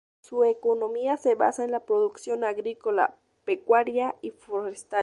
Su economía se basa en la producción agrícola, pecuaria y forestal.